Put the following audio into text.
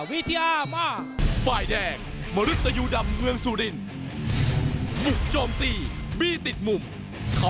วิทยามาก